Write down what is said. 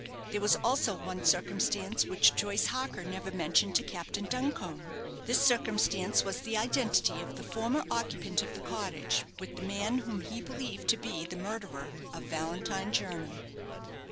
There was also one circumstance which Joyce Harker never mentioned to Captain Duncombe. This circumstance was the identity of the former occupant of the cottage with the man whom he believed to be the murderer of Valentine Jernam.